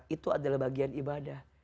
itu adalah bagian ibadah